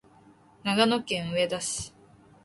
長野県上田市